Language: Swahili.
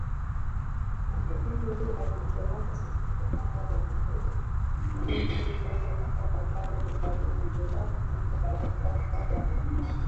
Kampuni ya uzoaji taka ya kimwede inayofanya kazi ya uzoaji taka kata ya Tabata